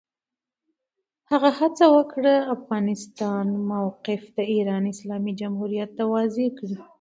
هغه هڅه وکړه، د افغانستان موقف د ایران اسلامي جمهوریت ته واضح کړي.